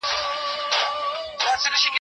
هغه وويل چي قلمان پاکول ضروري دي؟